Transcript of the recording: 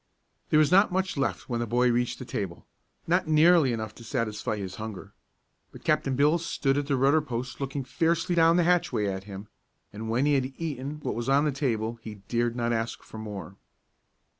There was not much left when the boy reached the table, not nearly enough to satisfy his hunger. But Captain Bill stood at the rudder post looking fiercely down the hatchway at him, and when he had eaten what was on the table he dared not ask for more.